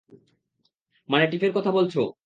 মানে, টিফের কথা বলছ?